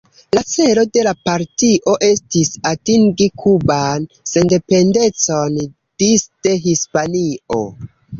La celo de la partio estis atingi kuban sendependecon disde Hispanio.